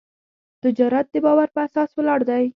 تجارت د باور په اساس ولاړ دی.